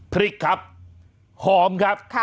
พริกครับหอมครับ